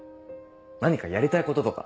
何かやりたいこととか。